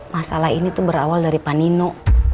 masalah ini tuh berawal dari pak nino